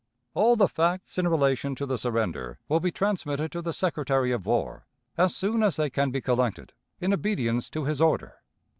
All the facts in relation to the surrender will be transmitted to the Secretary of War as soon as they can be collected, in obedience to his order.